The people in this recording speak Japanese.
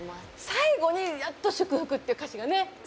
最後に、やっと「祝福」っていう歌詞がね。